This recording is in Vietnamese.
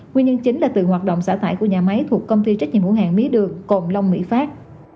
nguyên nhân chính là từ hoạt động xả thải của nhà máy thuộc công ty trách nhiệm hữu hàng mỹ đường còn long mỹ pháp